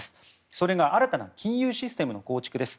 それが新たな金融システムの構築です。